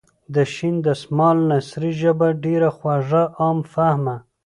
د شین دسمال نثري ژبه ډېره خوږه ،عام فهمه.